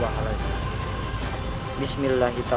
aku harus mencobanya